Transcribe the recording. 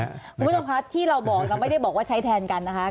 คุณผู้ชมคะที่เราบอกเราไม่ได้บอกว่าใช้แทนกันนะคะ